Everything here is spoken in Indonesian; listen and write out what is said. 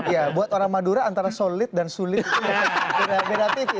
ya buat orang madura antara solid dan sulit itu negatif